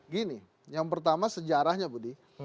gini yang pertama sejarahnya budi